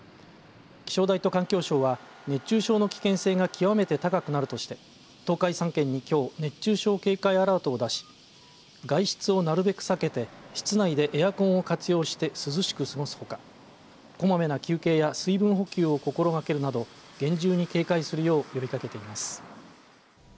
気象台と環境省は熱中症の危険性が極めて高くなるとして東海３県にきょう熱中症警戒アラートを出し外出をなるべく避けて室内でエアコンを活用して涼しく過ごすほかこまめな休憩や水分補給を心がけるなど厳重に警戒するよう呼びかけています。